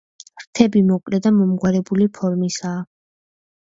ფრთები მოკლე და მომრგვალებული ფორმისაა.